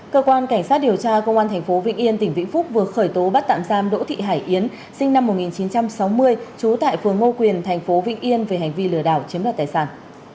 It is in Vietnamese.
cơ quan cảnh sát điều tra công an tp vĩnh yên tỉnh vĩnh phúc vừa khởi tố bắt tạm giam đỗ thị hải yến sinh năm một nghìn chín trăm sáu mươi trú tại phường ngô quyền thành phố vĩnh yên về hành vi lừa đảo chiếm đoạt tài sản